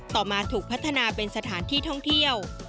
ต่อมาถูกพัฒนาเป็นสถานที่ท่องเที่ยว